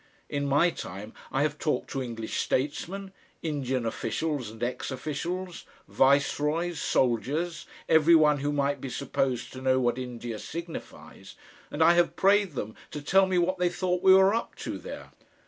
In my time I have talked to English statesmen, Indian officials and ex officials, viceroys, soldiers, every one who might be supposed to know what India signifies, and I have prayed them to tell me what they thought we were up to there.